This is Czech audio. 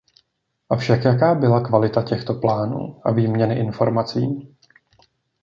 Avšak jaká byla kvalita těchto plánů a výměny informací?